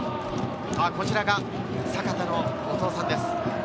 こちらが阪田のお父さんです。